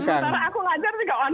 karena aku ngajar juga online